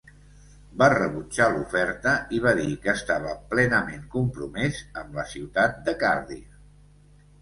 Va rebutjar l'oferta i va dir que estava plenament compromès amb la ciutat de Cardiff.